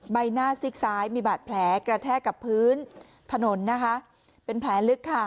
ใบหน้าซีกซ้ายมีบาดแผลกระแทกกับพื้นถนนนะคะเป็นแผลลึกค่ะ